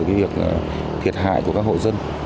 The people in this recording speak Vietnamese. về việc thiệt hại của các hội dân